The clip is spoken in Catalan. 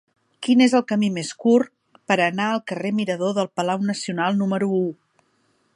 Quin és el camí més curt per anar al carrer Mirador del Palau Nacional número u?